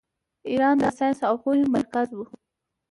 ایران د ساینس او پوهې مرکز و.